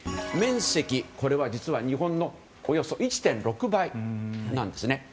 面積、これは実は日本のおよそ１．６倍なんです。